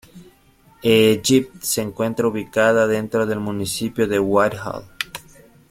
Egypt se encuentra ubicada dentro del municipio de Whitehall.